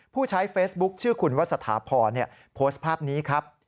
ผู้ใช้เฟซบุ๊คชื่อคุณวัสถาพรโพสต์ภาพนี้ครับ